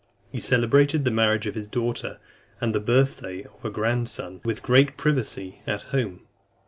He celebrated the marriage of his daughter and the birth day of a grandson with great privacy, at home.